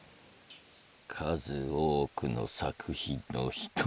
「数多くの作品の１つ」。